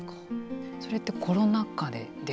それってコロナ禍でですかやっぱり。